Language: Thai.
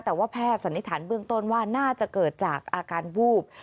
แต่ว่าแพทย์สันนิษฐานเบื้องต้นว่าน่าจะเกิดจากอาการวูบ